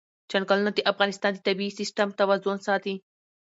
چنګلونه د افغانستان د طبعي سیسټم توازن ساتي.